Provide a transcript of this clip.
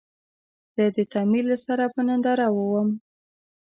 زه د تعمير له سره په ننداره ووم.